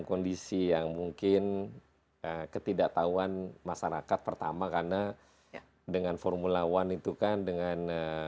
kondisi yang mungkin ketidaktahuan masyarakat pertama karena dengan formula one itu kan dengan